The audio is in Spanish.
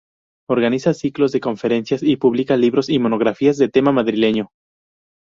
Organiza ciclos de conferencias y publica libros y monografías de tema madrileño.